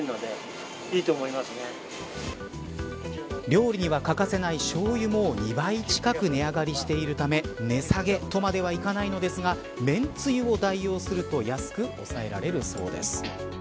料理には欠かせないしょうゆも２倍近く値上がりしているため値下げとまではいかないのですがめんつゆを代用すると安く抑えられるそうです。